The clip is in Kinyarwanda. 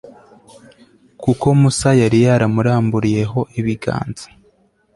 kuko musa yari yaramuramburiyeho ibiganza